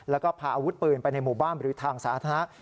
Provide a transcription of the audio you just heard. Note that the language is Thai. แล้วก็พาอาวุธปืนไปในหมู่บ้านหรือทางสาธารณะ